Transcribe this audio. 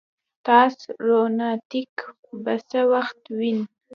تاس روانیدتک به څه وخت وین